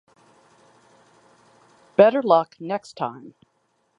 Better luck next time.